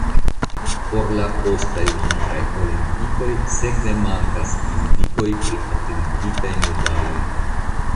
Por la postaj Vintraj Olimpikoj sekve mankas indikoj pri atingitaj medaloj.